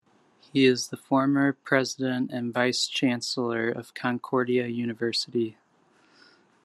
He is the former President and Vice-Chancellor of Concordia University.